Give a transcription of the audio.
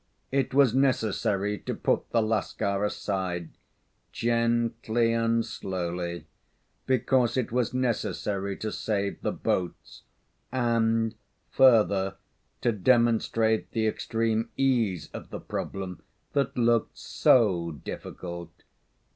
It was necessary to put the Lascar aside, gently and slowly, because it was necessary to save the boats, and, further, to demonstrate the extreme ease of the problem that looked so difficult.